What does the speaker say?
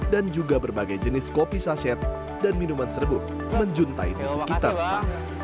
dan juga berbagai jenis kopi saset dan minuman serbuk menjuntai di sekitar sepeda